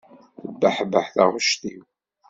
Tebbeḥbeḥ taɣect-iw.